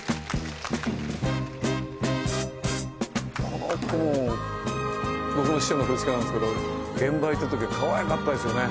この子も僕の師匠の振り付けなんですけど現場行った時はかわいかったですよね